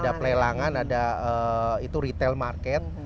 ada pelelangan ada itu retail market